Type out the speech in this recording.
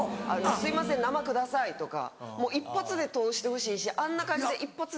「すいません生ください」とかもう一発で通してほしいしあんな感じで一発で通らないの。